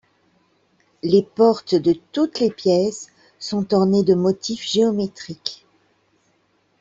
Les portes de toutes les pièces sont ornées de motifs géométriques.